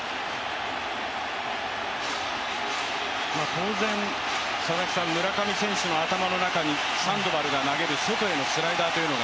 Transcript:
当然、村上選手の頭の中にサンドバルが投げる外へのスライダーというのが？